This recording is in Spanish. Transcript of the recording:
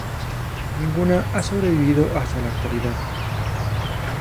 Ninguna ha sobrevivido hasta la actualidad.